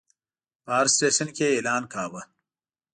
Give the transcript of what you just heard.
په هر سټیشن کې یې اعلان کاوه.